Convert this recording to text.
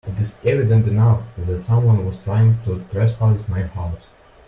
It is evident enough that someone was trying to trespass my house.